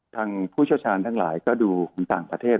ทางผู้ชชาญทั้งรายดูคนต่างประเทศ